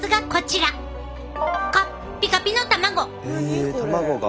え卵が？